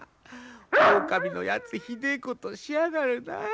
オオカミのやつひでえことしやがるな。